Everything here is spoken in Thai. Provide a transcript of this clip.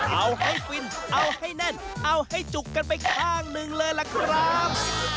เอาให้ฟินเอาให้แน่นเอาให้จุกกันไปข้างหนึ่งเลยล่ะครับ